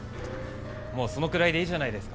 もうそのくらいでいいじゃないですか。